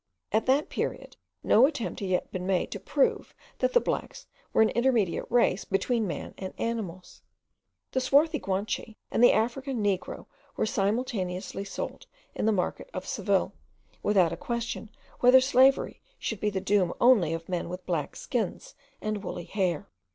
At that period no attempt had yet been made to prove that the blacks were an intermediate race between man and animals. The swarthy Guanche and the African negro were simultaneously sold in the market of Seville, without a question whether slavery should be the doom only of men with black skins and woolly hair.